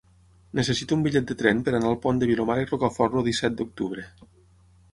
Necessito un bitllet de tren per anar al Pont de Vilomara i Rocafort el disset d'octubre.